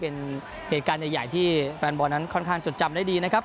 เป็นเหตุการณ์ใหญ่ที่แฟนบอลนั้นค่อนข้างจดจำได้ดีนะครับ